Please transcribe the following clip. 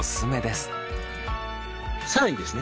更にですね